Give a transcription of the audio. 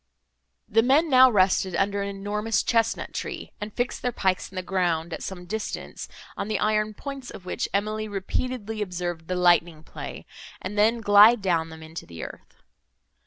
The men now rested under an enormous chesnut tree, and fixed their pikes in the ground, at some distance, on the iron points of which Emily repeatedly observed the lightning play, and then glide down them into the earth.